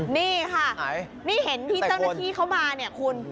นี่ค่ะนี่เห็นที่เจ้าหน้าที่เขามาเนี่ยคุณ